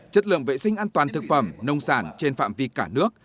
chất lượng vệ sinh an toàn thực phẩm nông sản trên phạm vi cả nước